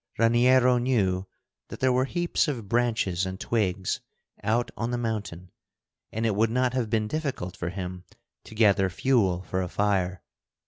Raniero knew that there were heaps of branches and twigs out on the mountain, and it would not have been difficult for him to gather fuel for a fire.